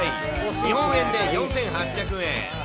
日本円で４８００円。